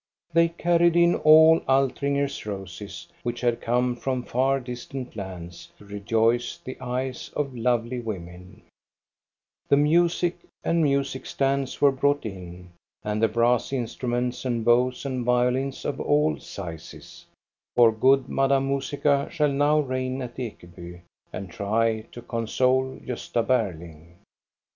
They carried in all Altringer's roses which had come from far distant lands to rejoice the eyes of lovely women, 3IO THE STORY OF GOSTA BERUNG The music and music stands were brought in, and the brass instruments and bows and violins of all sizes ; for good Madame Musica shall now reign at £kd)y and try to console Gosta Berling.